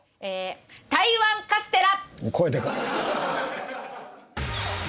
台湾カステラ！！